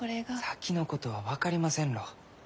先のことは分かりませんろう。